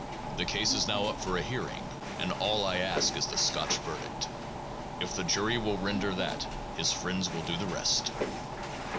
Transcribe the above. The case is now up for a hearing, and all I ask is the Scotch verdict. If the jury will render that, his friends will do the rest.